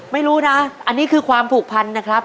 ไม่รู้นะอันนี้คือความผูกพันนะครับ